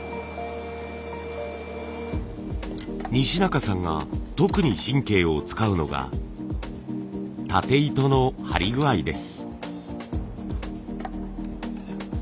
西中さんが特に神経を使うのがたて糸の張り具合です。